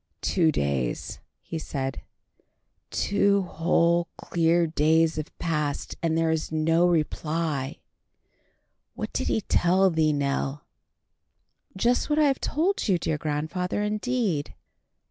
"Two days," he said, "two whole clear days have passed, and there is no reply. What did he tell thee, Nell?" "Just what I have told you, dear grandfather, indeed."